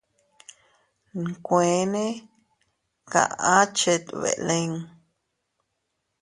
Nkueene kaʼa chet beʼe lin.